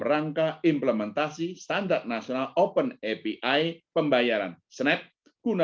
rangka implementasi standar nasional open api pembayaran snap